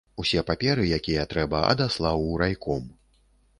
Усе паперы, якія трэба, адаслаў у райком.